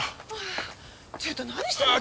ちょっと何してるの？